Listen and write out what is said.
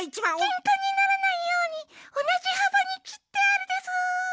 ケンカにならないようにおなじはばにきってあるでスー。